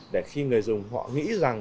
để khi người dùng họ nghĩ rằng